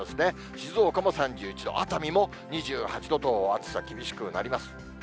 静岡も３１度、熱海も２８度と暑さ厳しくなります。